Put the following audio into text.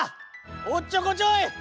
おっちょこちょい！